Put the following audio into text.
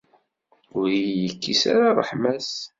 Ur iyi-yekkis ara ṛṛeḥma-s.